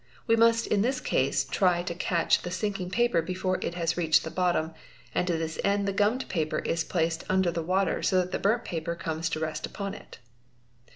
We must in this case try to catch the sinking paper before it has reached the bottom and to this end the gummed OOD Le ee EEE paper is placed under the water so that the burnt paper comes to rest upon it.